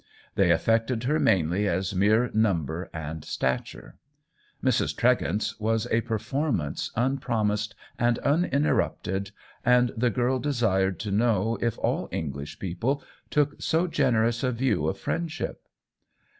They affected her mainly as mere number and stature. Mrs. Tregent's was a perform ance unpromised and uninterrupted, and the girl desired to know if all English peo ple took so generous a view of friendship.